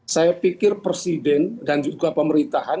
saya pikir presiden dan juga pemerintahan